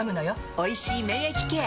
「おいしい免疫ケア」！